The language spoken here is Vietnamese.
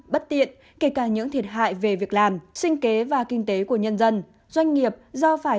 bất tiện kể cả những thiệt hại về việc làm sinh kế và kinh tế của nhân dân doanh nghiệp do phải